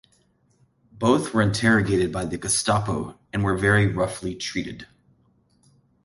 Both were interrogated by the Gestapo and were very roughly treated.